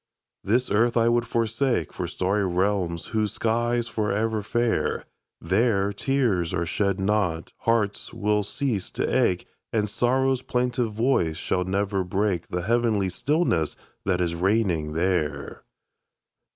This earth I would forsake For starry realms whose sky's forever fair; There, tears are shed not, hearts will cease to ache, And sorrow's plaintive voice shall never break The heavenly stillness that is reigning there.